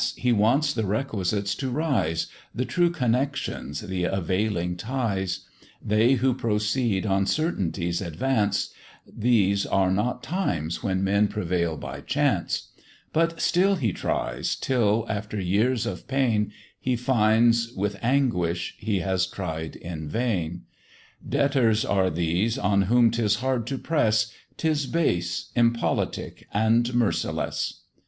he wants the requisites to rise The true connections, the availing ties: They who proceed on certainties advance, These are not times when men prevail by chance; But still he tries, till, after years of pain, He finds, with anguish, he has tried in vain. Debtors are these on whom 'tis hard to press, 'Tis base, impolitic, and merciless.